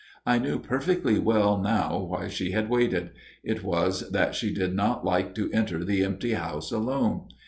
I knew perfectly well now why she had waited : it was that she did not like to enter the empty house alone.